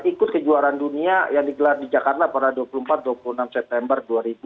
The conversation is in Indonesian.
ikut kejuaraan dunia yang digelar di jakarta pada dua puluh empat dua puluh enam september dua ribu dua puluh